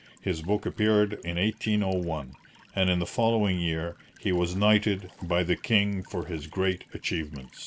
His book appeared in 1801, and in the following year he was knighted by the king for his great achievements.